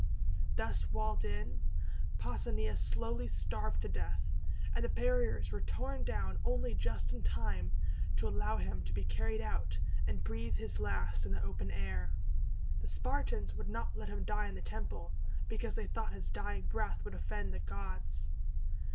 Thus walled in, Pausanias slowly starved to death, and the barriers were torn down only just in time to allow him to be carried out, and breathe his last in the open air. The Spartans would not let him die in the temple, because they thought his dying breath would offend the gods.